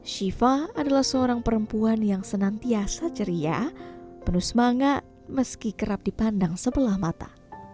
shiva adalah seorang perempuan yang senantiasa ceria penuh semangat meski kerap dipandang sebelah mata